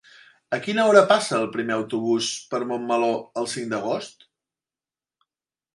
A quina hora passa el primer autobús per Montmeló el cinc d'agost?